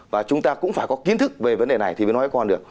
và chúng ta cũng phải có kiến thức về vấn đề này thì mới nói con được